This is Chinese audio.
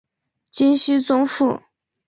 金熙宗父。